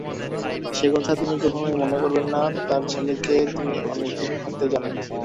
সে কথা তিনি কখনোই মনে করবেন না, তাঁর ছেলেকে তিনি অনেকদিন হতে জানেন।